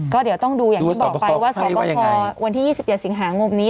ก็เดี๋ยวต้องดูอย่างที่บอกไปว่าสอบคอวันที่๒๗สิงหาคมนี้